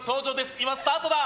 今、スタートだ！